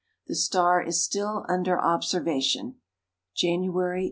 The star is still under observation (January, 1902).